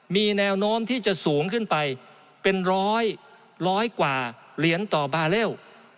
มีแนวโน้มที่จะสูงขึ้นไปเป็นร้อยร้อยกว่าเหรียญต่อบาร์เรล